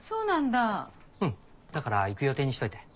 だから行く予定にしといて。